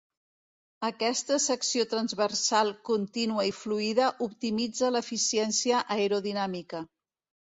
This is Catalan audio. Aquesta secció transversal contínua i fluida optimitza l'eficiència aerodinàmica.